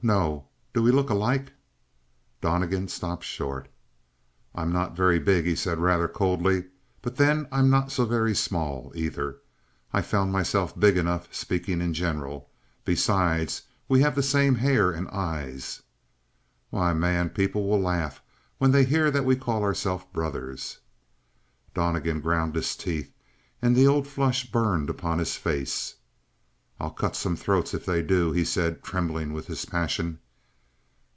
No, do we look alike?" Donnegan stopped short. "I'm not very big," he said rather coldly, "but then I'm not so very small, either. I've found myself big enough, speaking in general. Besides, we have the same hair and eyes." "Why, man, people will laugh when they hear that we call ourselves brothers." Donnegan ground his teeth and the old flush burned upon his face. "I'll cut some throats if they do," he said, trembling with his passion.